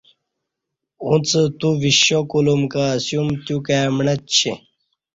اوڅہ تو ویشا کول م کہ اسوم تیو کای مݨہ چی